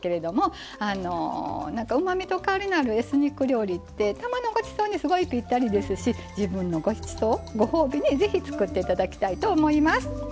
うまみと香りのあるエスニック料理ってたまのごちそうにすごいぴったりですし自分のごちそうご褒美にぜひ作っていただきたいと思います。